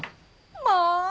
まあ！